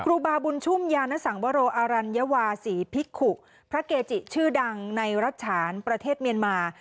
ครูบาบุญชุ่มยานสังวโรอรัญวาศรีภิกขุพระเกจิชื่อดังในรัฐฉานประเทศเมียนมา